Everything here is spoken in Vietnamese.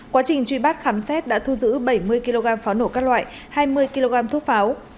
quá trình truy bắt khám xét đã thu giữ bảy mươi kg pháo nổ các loại hai mươi kg thuốc pháo